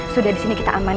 sudah di sini kita aman